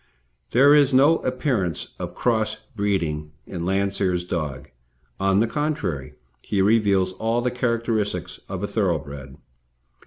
There is no appearance of cross breeding in Landseer's dog; on the contrary, he reveals all the characteristics of a thoroughbred.